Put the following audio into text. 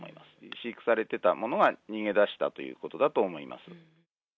飼育されてたものが逃げ出したということだと思います。